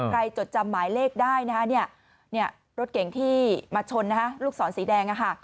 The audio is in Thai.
ใครจดจำหมายเลขได้นะเนี่ยรถเก่งที่มาชนนะฮะลูกสอนสีแดง